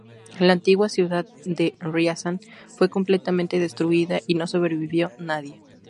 La antigua ciudad de Riazán fue completamente destruida y no sobrevivió nadie.